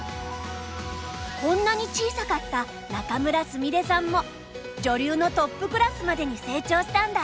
こんなに小さかった仲邑菫さんも女流のトップクラスまでに成長したんだ。